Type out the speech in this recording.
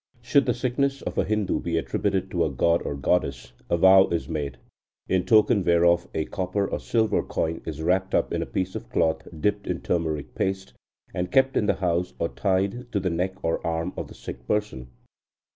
Should the sickness of a Hindu be attributed to a god or goddess, a vow is made, in token whereof a copper or silver coin is wrapped up in a piece of cloth dipped in turmeric paste, and kept in the house, or tied to the neck or arm of the sick person.